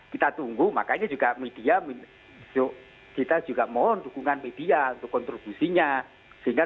kita tunggu makanya juga media kita juga mohon dukungan media untuk kontribusinya sehingga